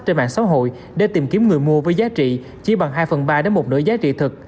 trên mạng xã hội để tìm kiếm người mua với giá trị chỉ bằng hai phần ba đến một nửa giá trị thực